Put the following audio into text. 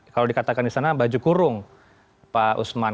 kalau dikatakan di sana baju kurung pak usman